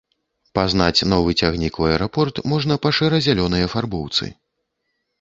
Пазнаць новы цягнік у аэрапорт можна па шэра-зялёнай афарбоўцы.